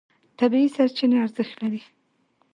طبیعي سرچینې ارزښت لري.